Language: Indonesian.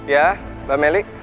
ya mbak meli